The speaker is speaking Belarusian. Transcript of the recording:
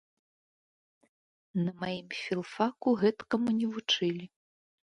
На маім філфаку гэткаму не вучылі.